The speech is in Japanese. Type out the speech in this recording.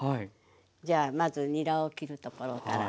じゃあまずにらを切るところから。